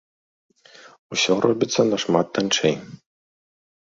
Усё робіцца нашмат танчэй.